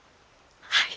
はい！